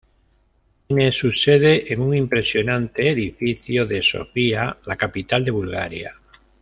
Tiene su sede en un impresionante edificio de Sofía, la capital de Bulgaria.